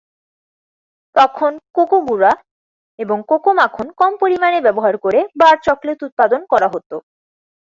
তখন কোকো গুঁড়া এবং কোকো মাখন কম পরিমাণে ব্যবহার করে বার চকলেট উৎপাদন করা হত।